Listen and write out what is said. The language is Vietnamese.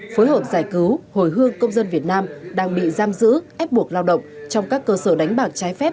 phối hợp giải cứu hồi hương công dân việt nam đang bị giam giữ ép buộc lao động trong các cơ sở đánh bạc trái phép